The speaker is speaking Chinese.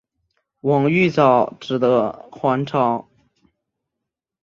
王玉藻只得还朝。